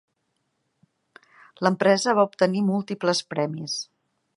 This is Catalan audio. L'empresa va obtenir múltiples premis.